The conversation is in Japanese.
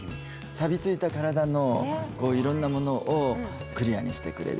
さびついた体のいろんなものをクリアにしてくれる。